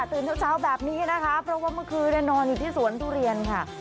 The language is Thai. ตื่นเช้าเช้าแบบนี้นะคะเพราะว่าเมื่อคืนนอนอยู่ที่สวนทุเรียนค่ะ